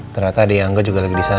ternyata ada yang anggap juga lagi disana